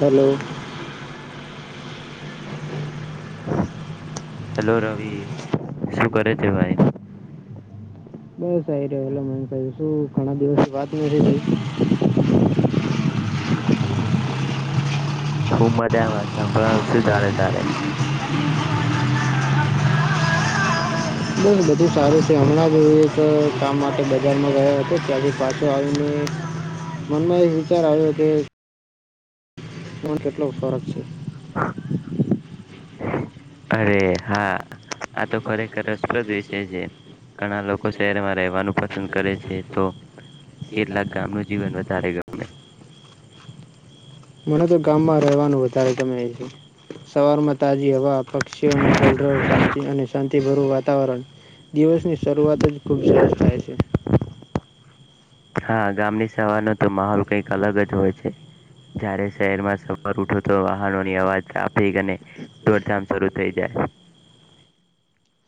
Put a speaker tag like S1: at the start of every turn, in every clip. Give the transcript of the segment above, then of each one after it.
S1: Hello.
S2: Hello Ravi શું કરે છે ભાઈ?
S1: બસ આ આવી રહ્યો એ મને ક શું ઘણા દિવસ વાત નથીઈ.
S2: હું મજામાં સાંભળાવ શું ચાલે તારે.
S1: [unintelligible] ઘરમાં રહે હતો ચારથી પાંચો આદમી મનમાં એક વિચાર આવ્યો કે એમાં કેટલો ફરક છે.
S2: અરે હા. આ તો ખરેખર રસપ્રદ વિષય છે ઘણા લોકો શહેરમાં રહેવાનું પસંદ કરે છે તો કેટલાક ગામનું જીવન વધારે ગમે.
S1: મને તો ગામમાં રહેવાનું વધારે તમે છે સવારમાં તાજી હવા પક્ષીઓનો કલરવ શાંતિ અને શાંતિભરું વાતાવરણ દિવસની શરૂઆત જ ખુબ સરસ થાય છે.
S2: હા ગામની સવારનો તો માહોલ કઈક અલગ જ હોય છે જયાંરે શહેરમાં સવાર ઉઠો તો વાહનોની અવાજ ટ્રાફિક અને દોડધામ શરૂ થઈ જાય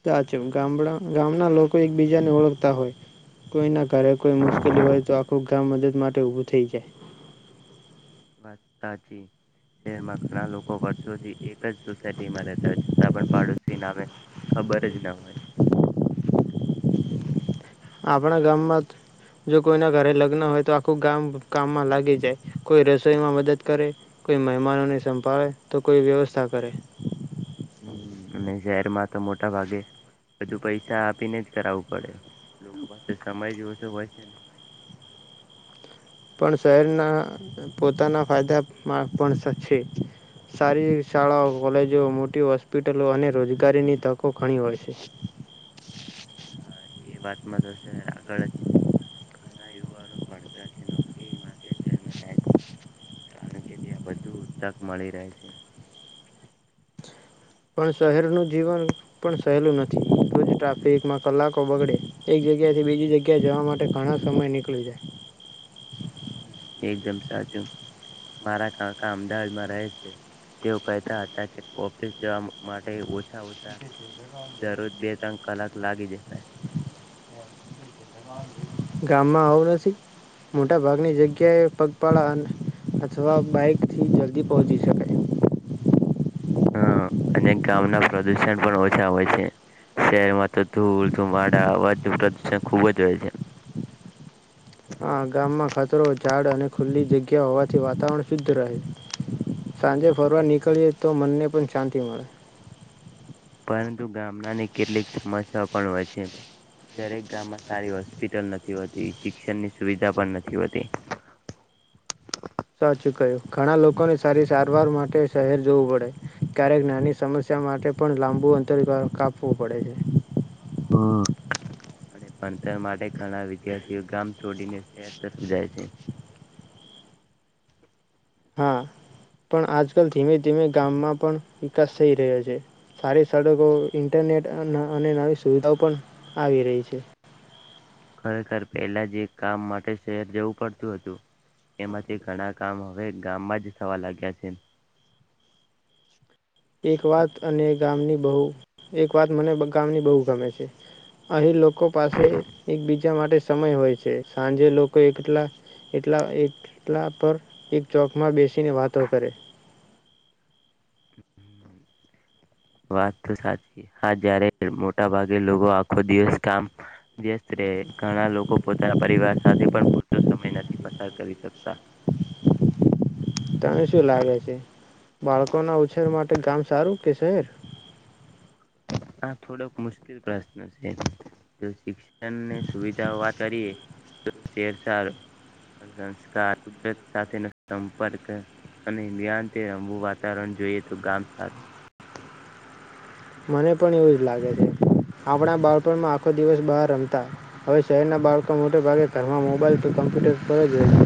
S1: સાચું ગામડા ગામના લોકો એકબીજાને ઓળખતા હોય કોઈના ઘરે કોઈ મુશ્કેલી હોય તો આખું ગામ મદદ માટે ઉભું થઈ જાય
S2: વાત સાચી શહેરમાં ઘણા લોકો વર્ષોથી એક જ સોસાયટીમાં રહેતા હોય છતાં પણ પાડોશી નામે ખબર જ ન હોય
S1: આપણા ગામમાં જો કોઈના ઘરે લગ્ન હોય તો આખું ગામ કામમાં લાગી જાય કોઈ રસોઈમાં મદદ કરે કોઈ મહેમાનોને સંભાળે તો કોઈ વ્યવસ્થા કરે
S2: અને શહેરમાં તો મોટા ભાગે બધું પૈસા આપીને જ કરાવું પડે લોકો પાસે સમય જ હોય [unintelligible]
S1: પણ શહેરના પોતાના ફાયદામાં પણ છે સારી શાળાઓ કોલેજો મોટી હોસ્પિટલો અને રોજગારીની તકો ઘણી હોય છે
S2: હા એ વાતમાં તો શહેર આગળ જ છે, ઘણા યુવાનો ભણતર કે નોકરી માટે શહેરમાં જાય છે કારણ કે ત્યાં વધુ તક મળી રહે છે,
S1: પણ શહેરનું જીવન પણ સહેલું નથી રોજ ટ્રાફિકમાં કલાકો બગડે એક જગ્યાએ થી બીજી જગ્યા એ જવા માટે ઘણા સમય નીકળી જાય,
S2: એકદમ સાચું મારા કાકા અમદાવાદમાં રહે છે તેઓ કહેતા હતા કે ઓફિસ જવા માટે ઓછા ઓછા દરરોજ બે ત્રણ કલાક લાગી જતાાય
S1: ગામમાં આવડાસી મોટાભાગની જગ્યા કે પગપાળા અં અથવા બાઈકથી જલ્દી પહોંચી શકાય
S2: હમ્મ અને ગામના પ્રદુષણ પણ ઓછા હોય છે, શહેરમાં તો ધૂળ ધુમાડા અવાજના પ્રદુષણ ખુબ જ હોય છે
S1: હા ગામમાં ખેતરો ઝાડ અને ખુલ્લી જગ્યા હોવાથી વાતાવરણ શુદ્ધ રહે સાંજે ફરવા નીકળીએ તો મનને પણ શાંતિ મળે
S2: પરંતુ ગામડાની કેટલીક સમસ્યા પણ હોય છે દરેક ગામમાં સારી હોસ્પિટલ નથી હોતી શિક્ષણ ની સુવિધા પણ નથી હોતી
S1: સાચું કહ્યુ ઘણા લોકોને સારી સારવાર માટે શહેર જવું પડે ક્યારેક નાની સમસ્યા માટે પણ લાંબુ અંતર કાપવું પડે છે,
S2: અને ભણતર માટે ઘણા વિદ્યાર્થીઓ ગામ છોડીને શહેર તરફ જાય છે,
S1: હા પણ આજકાલ ધીમે ધીમે ગામમાં પણ વિકાસ થઈ રહ્યો છે સારી સડકો ઈન્ટરનેટ અને નવી સુવિધાઓ પણ આવી રહી છે
S2: ખરેખર પહેલા જે એક કામ માટે શહેર જવું પડતું હતું એમાંથી ઘણા કામ હવે ગામમાં જ થવા લાગ્યા છે,
S1: એક વાત અને ગામની બઉ એક વાત મને ગામની બહુ ગમે છે અહીં લોકો પાસે એકબીજા માટે સમય હોય છે, સાંજે લોકો એટલા એટલા એટલા પર એક ચોકમાં બેસીને વાતો કરે
S2: વાત તો સાચી હા જયારે મોટા ભાગે લોકો આખો દિવસ કામ વ્યસ્ત રહે ઘણા લોકો પોતાના પરિવાર સાથે પણ તો સમય નથી પસાર કરી શકતા
S1: તને શું લાગે છે બાળકો ના ઉછેર માટે ગામ સારું કે શહેર
S2: આ થોડોક મુશ્કેલ પ્રશ્ન છે જો શિક્ષણની સુવિધા વાત કરીએ તો શહેર સારું સંસ્કાર કુદરત સાથે સંપર્ક અને રમવું વાતાવરણ જોઈએ તો ગામ સારું
S1: મને પણ એવું જ લાગે છે આપણા બાળપણમાં આખો દિવસ બહાર રમતા હવે શહેરના બાળકો મોટેભાગે ઘરમાં મોબાઈલ કે કમ્પ્યુટર પર જ રહેય છે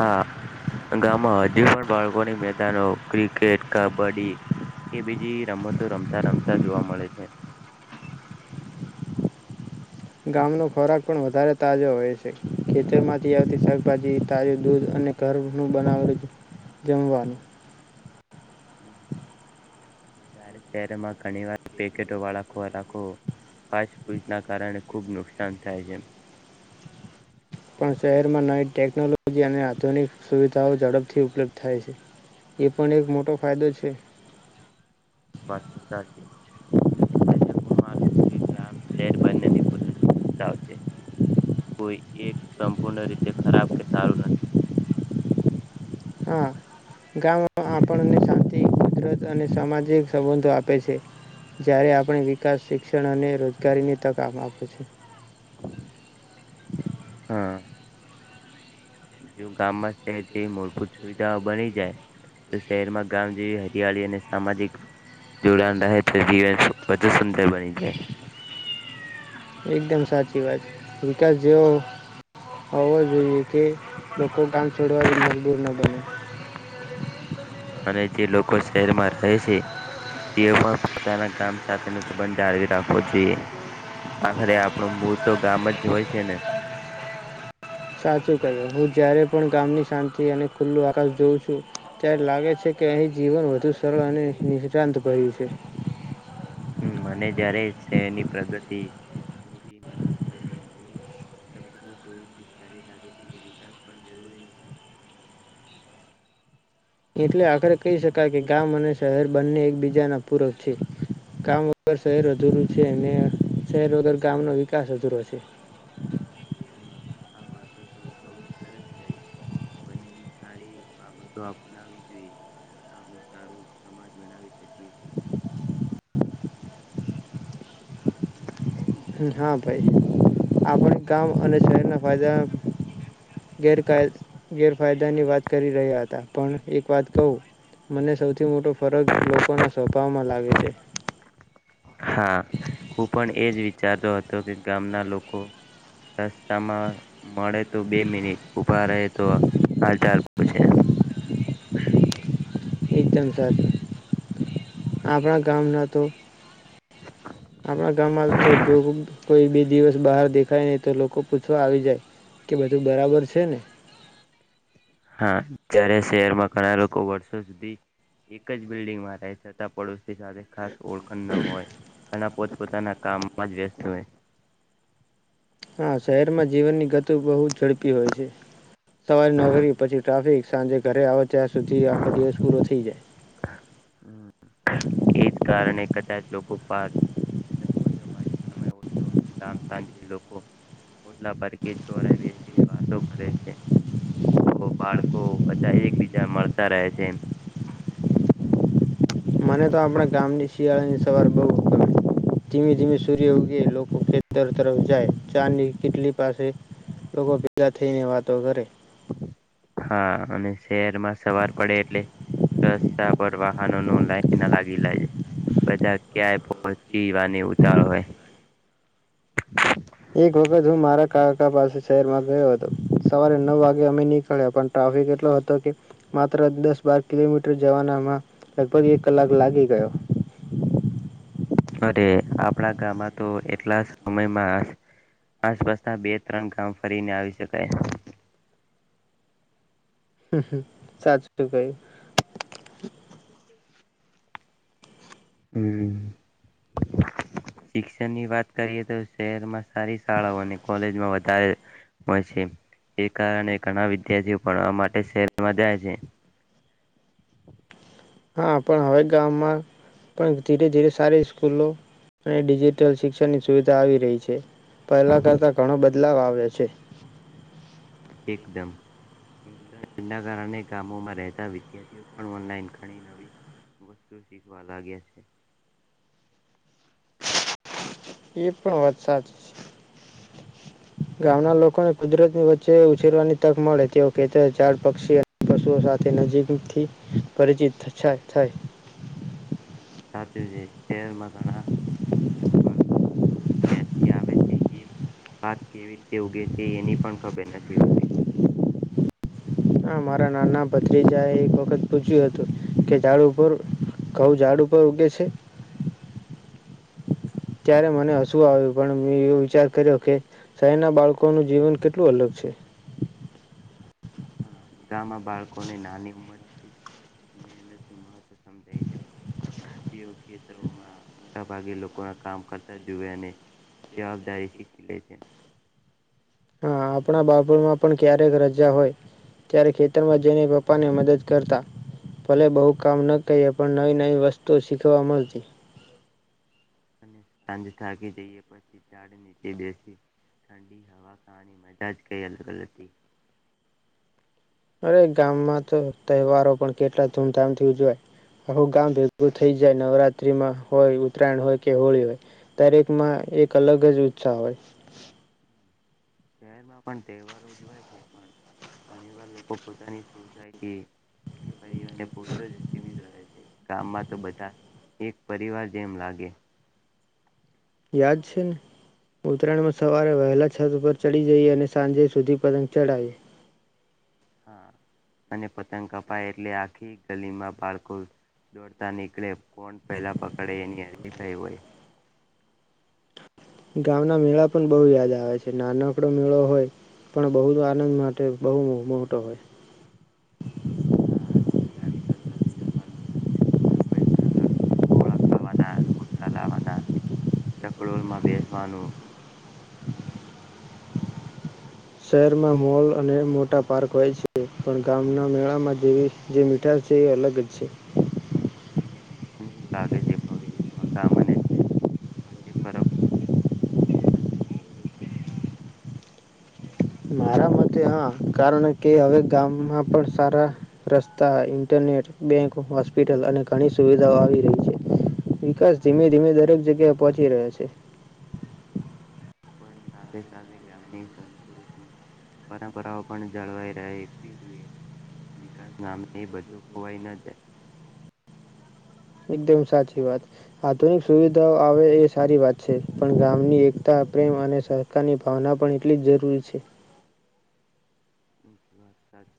S2: હા ગામમાં હજુ પણ બાળકોની મેદાનો ક્રિકેટ કબડ્ડી કે બીજી રમતો રમતા રમતા જોવા મળે છે,
S1: ગામનો ખોરાક પણ વધારે તાજો હોય છે, ખેતર માંથી આવતી શાકભાજી તાજું દૂધ અને ઘર નું બનાવેલુ જમવાનું
S2: જ્યારે શહેરમાં ઘણી વાર પેકેટો વાળા ખોરાકો ફાસ્ટ ફૂડ ના કારણે ખુબ નુકસાન થાય છે,
S1: પણ શહેરમાં નવી ટેકનોલોજી અને આધુનિક સુવિધાઓ ઝડપથી ઉપલબ્ધ થાય છે, એ પણ એક મોટો ફાયદો છે
S2: વાત તો સાચી એટલે જ હું માનું છું કે ગામ શહેર બંનેની પોતાનીઓ છે કોઈ એક સંપૂર્ણ રીતે ખરાબ કે સારું નથી
S1: હા ગામમાં આપણને શાંતિ કુદરત અને સામાજિક સંબંધો આપે છે, જ્યારે આપણે વિકાસ શિક્ષણ અને રોજગારીની તક આપે છે,
S2: હા જો ગામમાં શહેર જેવી મૂળભૂત સુવિધાઓ બની જાય તો શહેરમાં ગામ જેવી હરિયાળી અને સામાજિક જોડાણ રહે તે વધુ બની જાય
S1: એકદમ સાચી વાત છે, વિકાસ જેવો હોવો જોઈએ કે લોકો કામ છોડવા જ મજબૂર ન બને
S2: જાય તે પણ પોતાના ગામ સાથે નો સંબંધ જાળવી રાખવો જોઈએ, આખરે આપણું મૂળ તો ગામ જ હોય છે ને
S1: સાચું કર્યું હું જયારે પણ ગામની શાંતિ અને ખુલ્લું આકાશ જોઉં છું, ત્યારે લાગે છે કે અહીં જીવન વધુ સરળ અને નિષ્ાંત ભર્યું છે
S2: મને જ્યારે શહેરની પ્રગતિ [inaudible]
S1: એટલે આખરે કહી શકાય કે ગામ અને શહેર બંને એકબીજાના પૂરક છે, ગામ વગર શહેર અધૂરું છે અને શહેર વગર ગામનો વિકાસ અધૂરો છે,
S2: વાહ આ વાતો તો બહ સરસ કઈ બંનેની સારી બાબતો અપનાવી જોઈએ આપ સારું સમાજ બનાવી શકીએીએ
S1: હા ભાઈ આપણે ગામ અને શહેરના ફાયદા ગેરક ગેરફાયદાની વાત કરી રહ્યા હતા પણ એક વાત કહું મને સૌથી મોટો ફરક લોકોના સ્વભાવમાં લાગે છે,
S2: હા હું પણ એ જ વિચારતો હતો કે ગામના લોકો રસ્તામાં મળે તો બે મિનિટ ઉભા રહે તો હાલ ચાલ પૂછે
S1: એકદમ સારું આપણા ગામના તો આપણા ગામમાં તો જોગ કોઈ બે દિવસ બહાર દેખાય નહી તો લોકો પૂછવા આવી જાય કે બધું બરાબર છે ને
S2: હા જય્યારે શહેરમાં ઘણા લોકો વર્ષો સુધી એક જ બિલ્ડિંગમાં રહે છતાં પડોશી સાથે ખાસ ઓળખણ ન હોયણા પોતપ પોતાના કામમાં જ વ્યસ્ત હોય
S1: હા શહેર માં જીવનની ગતિ બહુ ઝડપી હોય છે સવારે નરી પછી ટ્રાફિક સાંજે ઘરે આવે ત્યાં સુધી આખો દિવસ પૂરો થઈ જાય
S2: એજ કારણે કદાચ લોકોારબંધો માટે સમયતો અને ગામ તજ લોકો ઓટલા પરકી ચોર આવી વાતો કરે છે બધો બાળકો બધા એકબીજા મળતા રહે છે [unintelligible]
S1: મને તો આપણા ગામની શિયાળા ની સવાર બહુ ગમે ધીમે ધીમે સૂર્ય ઉગે લોકો ખેતર તરફ જાય ચારની કેટલી પાસે લોકો ભેગા થઈને વાતો કરે
S2: હા અને શહેરમાં સવાર પડે એટલે રસ્તા પર વાહનો ન લાઈન લાગી લાય છે બધા ક્યાંય પહોચીવાની ઉતાર હોય
S1: એક વખત હું મારા કાકા પાસે શહેરમાં ગયો હતો સવારે નવ વાગે અમે નીકળ્યા પણ ટ્રાફિક એટલો હતો કે માત્ર દસ બાર કિલોમીટર જવાનામાં લગભગ એક કલાક લાગી ગયો
S2: અરે આપણા ગામમાં તો એટલા સમયમાં આસપાસના બે ત્રણ ગામ ફરીને આવી શકાય
S1: હમ સાચશું કઈ
S2: હમ શિક્ષણની વાત કરીએ તો શહેરમાં સારી શાળાઓ અને કોલેજમાં વધારે હોય છે એ કારણે ઘણા વિદ્યાર્થીઓ પણ આ માટે શહેરમાં જાય છે
S1: હા પણ હવે ગામમાં પણ ધીરે ધીરે સારી સ્કૂલો અને ડિજિટલ શિક્ષણની સુવિધા આવી રહી છે પહેલા કરતા ઘણો બદલાવ આવ્યો છે
S2: ઇન્ટરનેટ ના કારણે ગામોમાં રહેતા વિદ્યાર્થીઓ પણ ઓનલાઈન ઘણી નવી વસ્તુ શીખવા લાગ્યા છે
S1: એ પણ વાત સાચી છે ગામના લોકોને કુદરતની વચ્ચે ઉછેરવાની તક મળે તેઓ ખેત ાડ પક્ષી પશુઓ સાથે નજીકથી પરિચિત થાય
S2: સાચું છે શહેરમાં ઘણા બાળકો દૂધ ક્યાંથી આવે છે એ વાત કેવી રીતે ઉગે છે એની પણ ખબર નથી હોતી
S1: હા મારા નાના ભત્રીજા એ એક વખત પૂછ્યું હતું કે ઝાડુ ઉપર કઉ ઝાડુ ઉપર ઉગે છે ત્યારે મને હસવું આવ્યું પણ મેં એવો વિચાર કર્યો કે શહેરના બાળકોનું જીવન કેટલું અલગ છે
S2: હ ગામમાં બાળકોને નાની ઉંમરથી મહેનત નું મહત્વ સમજાઈ જાય તેઓ ખેતરોમાં મોટા ભાગે લોકોના કામ કરતા જુવે અને જવાબદારી શીખી લે છે
S1: હા આપણા બાપુરમાં પણ ક્યારેક રજા હોય ત્યારે ખેતરમાં જઈને પપ્પાને મદદ કરતા ભલે બહુ કામ ન કહીએ પણ નવી નવી વસ્તુઓ શીખવા મળતી
S2: અને સાંજ થકી જઈએ પછી ઝાડ નીચે બેસી ઠંડી હવા ખાની મજા જ કઈ અલગ હતી
S1: અરે ગામમાં તો તહેવારો પણ કેટલા ધૂમધામથી ઉજવાય આવું ગામ ભેગું થઈ જાય નવરાત્રીમાં હોય ઉત્તરાયણ હોય કે હોળી હોય દરેકમાં એક અલગ જ ઉત્સાહ હોય
S2: શહેરમાં પણ તહેવારો ઉજવાય છે પણ ઘણી વાર લોકો પોતાની સોસાયટી કે પરિવા અને પૂરતો જમિત રહે છે ગામમાં તો બધા એક પરિવાર જેમ લાગે
S1: યાદ છે ને ઉત્તરાયણમાં સવારે વહેલા છત ઉપ ચડી જઈએ અને સાંજે સુધી પતંગ ચડાય
S2: હા અને પતંગ કપાય એટલે આખી ગલીમાં બાળકો દોડતા નીકળે કોણ પહેલા પકડે એની થઈ હોય
S1: ગામના મેળા પણ બહુ યાદ આવે છે નાનકડો મેળો હોય પણ બહુ તો આનંદ માટે બહુ મોટો હોય
S2: જવા થોડા પૈસા ગોળા ખાવાના રમકડા લાવવાના ચકડોલમાં બેસવાનું
S1: શહેરમાં મોલ અને મોટા પાર્ક હોય છે પણ ગામના મેળામાં જેવી જે મીઠાઈ છે એ અલગ જ છે
S2: શું લાગે છે ભવિષ્યમાં કામ અને શ વચચે ફરક ઓછો થશે કે વધુ
S1: મારા મતે હા કારણ કે હવે ગામમાં પણ સારા રસ્તા ઈન્ટરનેટ બેંક હોસ્પિટલ અને ઘણી સુવિધાઓ આવી રહી છે વિકાસ ધીમે ધીમે દરેક જગ્યા પહોચી રહ્યા છે
S2: પણ સાથે સાથે ગામની સંસ્કૃતિ પરંપરાઓ પણ જળવાઈ રહેવી જોઈએ વિકાસ નામે બધું ખોવાઈ ન જાય
S1: એકદમ સાચી વાત આધુનિક સુવિધાઓ આવે એ સારી વાત છે પણ ગામની એકતા પ્રેમ અને સહકારની ભાવના પણ એટલી જ જરૂરી છે
S2: વાત સા